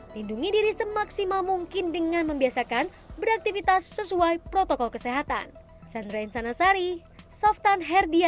lindungi diri semaksimal mungkin dengan membiasakan beraktivitas sesuai protokol kesehatan